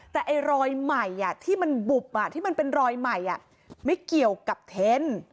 แต่ไอ้รอยใหม่ที่มันบุบที่มันเป็นรอยใหม่ไม่เกี่ยวกับเทน